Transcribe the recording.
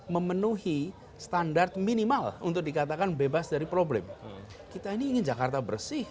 memenuhi standar minimal untuk dikatakan bebas dari problem kita ini ingin jakarta bersih